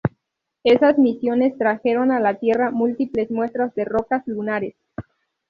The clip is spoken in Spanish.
Esas misiones trajeron a la Tierra múltiples muestras de rocas lunares.